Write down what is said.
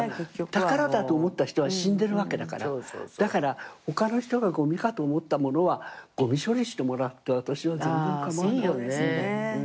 宝だと思った人は死んでるわけだからだから他の人がごみかと思ったものはごみ処理してもらって私は全然構わない。